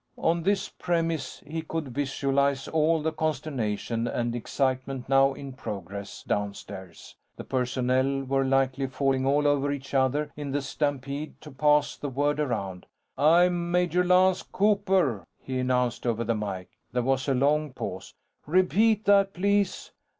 On this premise, he could visualize all the consternation and excitement now in progress downstairs; the personnel were likely falling all over each other in the stampede to pass the word around. "I'm Major Lance Cooper," he announced over the mike. There was a long pause. "Repeat that, please."